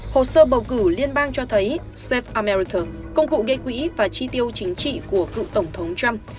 hồ sơ bầu cử liên bang cho thấy safe america công cụ gây quý và chi tiêu chính trị của cựu tổng thống trump